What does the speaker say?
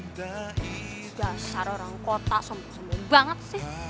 ya secara orang kota sembunyi sembunyi banget sih